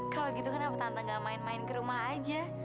kalau gitu kenapa tante gak main main ke rumah aja